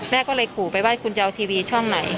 แม่ก็เลยขู่ไปว่าคุณจะเอาทีวีช่องไหน